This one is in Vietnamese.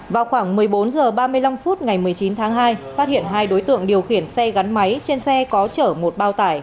vào khoảng một mươi bốn h ba mươi năm phút ngày một mươi chín tháng hai phát hiện hai đối tượng điều khiển xe gắn máy trên xe có chở một bao tải